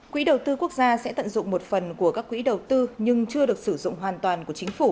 quỹ đầu tư quốc gia sẽ tận dụng một phần của các quỹ đầu tư nhưng chưa được sử dụng hoàn toàn của chính phủ